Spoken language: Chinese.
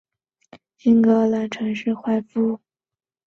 名字来自英国苏格兰城市快富。